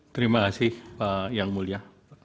terima kasih yang mulia